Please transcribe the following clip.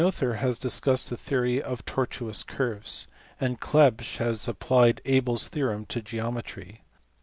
470) has discussed the theory of tortuous curves. And Clebsch (see pp. 479, 493) has applied Abel s theorem to geometry.